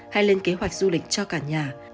hay lên kế hoạch du lịch cho cả nhà